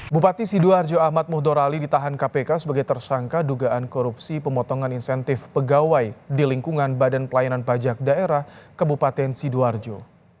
bupati sidoarjo ahmad mudorali ditahan kpk sebagai tersangka dugaan korupsi pemotongan insentif pegawai di lingkungan badan pelayanan pajak daerah kebupaten sidoarjo